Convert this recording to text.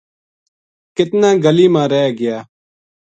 کتنا گلی ما رہ گیا